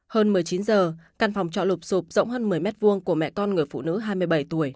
hơn một mươi chín giờ căn phòng trọ lục xộp rộng hơn một mươi m hai của mẹ con người phụ nữ hai mươi bảy tuổi